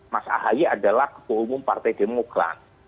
mas ahy adalah kebohongan partai demokrat